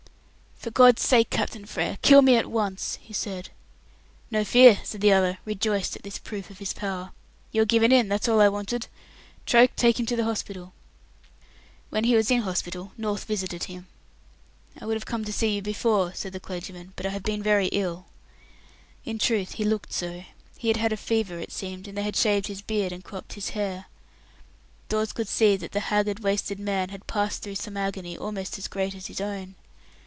"For God's sake, Captain Frere, kill me at once!" he said. "No fear," said the other, rejoiced at this proof of his power. "You've given in; that's all I wanted. Troke, take him off to the hospital." When he was in hospital, North visited him. "I would have come to see you before," said the clergyman, "but I have been very ill." In truth he looked so. He had had a fever, it seemed, and they had shaved his beard, and cropped his hair. Dawes could see that the haggard, wasted man had passed through some agony almost as great as his own.